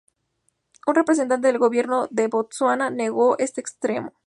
Un representante del Gobierno de Botsuana negó este extremo.